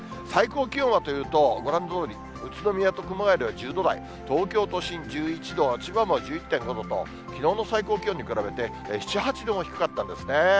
最高気温はというと、ご覧のとおり、宇都宮と熊谷は１０度台、東京都心１１度、千葉も１１．５度と、きのうの最高気温に比べて７、８度も低かったんですね。